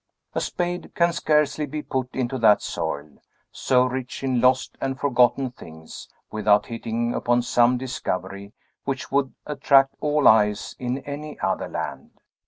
A spade can scarcely be put into that soil, so rich in lost and forgotten things, without hitting upon some discovery which would attract all eyes, in any other land.